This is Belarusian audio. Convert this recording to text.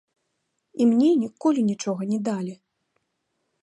І мне ніколі нічога не далі.